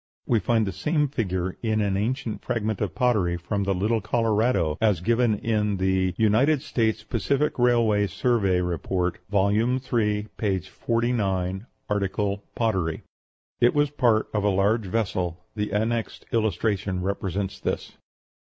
We find the same figure in an ancient fragment of pottery from the Little Colorado, as given in the "United States Pacific Railroad Survey Report," vol. iii., p. 49, art. Pottery. It was part of a large vessel. The annexed illustration represents this.